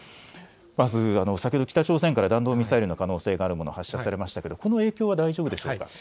まず先ほど北朝鮮から弾道ミサイルの可能性があるものが発射されましたがこの影響は大丈夫でしょうか。